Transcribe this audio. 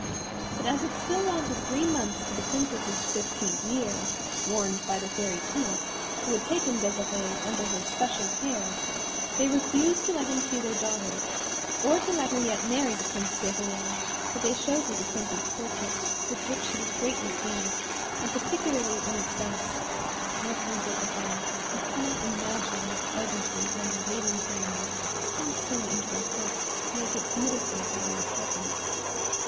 But as it still wanted three months to the Princess's fifteenth year, warned by the Fairy Tulip, who had taken Desirée under her special care, they refused to let him see their daughter or to let her yet marry the Prince Guerrier, but they showed her the Prince's portrait, with which she was greatly pleased, and particularly when it said, "Lovely Desirée, you cannot imagine how ardently I am waiting for you; come soon into our Court to make it beautiful by your presence."